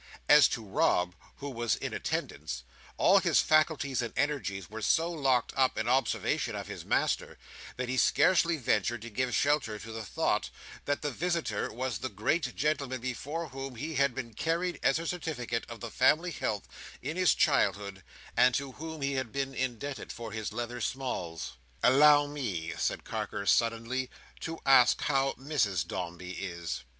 As to Rob, who was in attendance, all his faculties and energies were so locked up in observation of his master, that he scarcely ventured to give shelter to the thought that the visitor was the great gentleman before whom he had been carried as a certificate of the family health, in his childhood, and to whom he had been indebted for his leather smalls. "Allow me," said Carker suddenly, "to ask how Mrs Dombey is?"